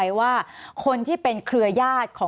สวัสดีครับทุกคน